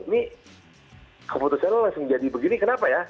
ini keputusan lo langsung jadi begini kenapa ya